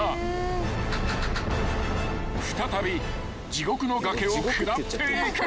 ［再び地獄の崖を下っていく］